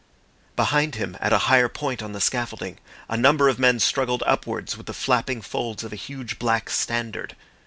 Behind him, at a higher point on the scaffolding, a number of men struggled upwards with the flapping folds of a huge black standard.